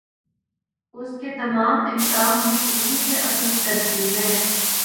اُس کے تمام احکام ہم اِنھی سے اخذ کرتے ہیں